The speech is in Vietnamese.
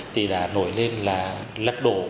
thì đã nổi lên là lắc đổ